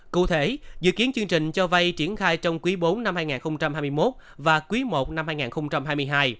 cụ thể dự kiến chương trình cho vay triển khai trong quý bốn năm hai nghìn hai mươi một và quý i năm hai nghìn hai mươi hai